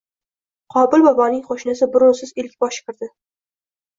Qobil boboning qo‘shnisi burunsiz ellikboshi kirdi